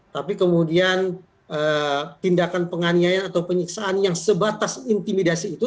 tapi kemudian tindakan penganiayaan atau penyiksaan yang sebatas intimidasi itu